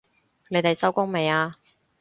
你哋收工未啊？